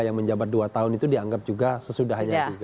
yang menjabat dua tahun itu dianggap juga sesudahnya